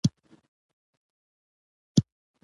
تاریخ د ژوند د ښو او بدو پېښو يادښت دی.